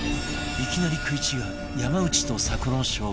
いきなり食い違う山内と佐古の証言